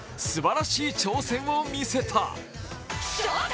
すばらしい挑戦を見せた。